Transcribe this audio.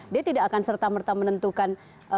dia tidak akan serta merta menentukan